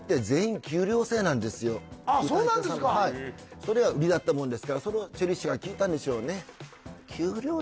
それが売りだったもんですからそれをチェリッシュが聞いたんでしょうね